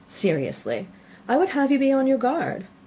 Seriously, I would have you be on your guard.